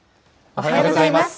おはようございます。